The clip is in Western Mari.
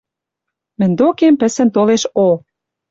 Мӹнь докем пӹсӹн толеш О.